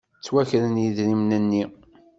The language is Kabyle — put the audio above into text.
Ttwakren yidrimen-nni.